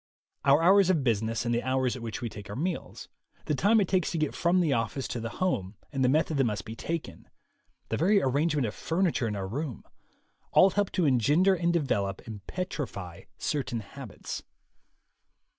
Our hours of business and the hours at which we take our meals, the time it takes to get from the office to the home and the method that must be taken, the very arrange ment of furniture in our room, all help to engender and develop and petrify certain habits.